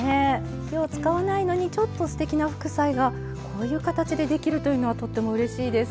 火を使わないのにちょっとステキな副菜がこういう形でできるというのはとってもうれしいです。